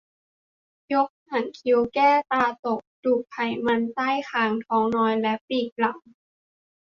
ยกหางคิ้ว แก้ตาตก ดูดไขมันใต้คาง ท้องน้อย และปีกหลัง